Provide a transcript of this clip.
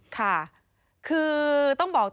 ค่ะคือต้องบอก